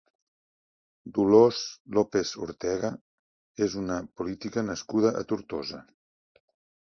Dolors López Ortega és una política nascuda a Tortosa.